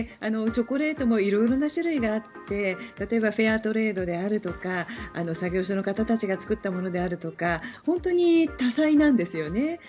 チョコレートも色々な種類があって例えばフェアトレードであるとか作業所の方たちが作ったものであるとか本当に多彩なんですよね。